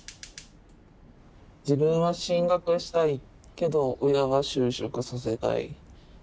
自分は進学したいけど親は就職させたい。